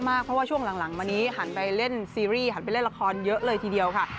เพราะว่าช่วงหลังมานี้หันไปเล่นซีรีส์หันไปเล่นละครเยอะเลยทีเดียวค่ะ